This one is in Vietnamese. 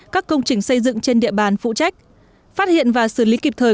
các công trình xây dựng trên địa bàn phụ trách phát hiện và xử lý kịp thời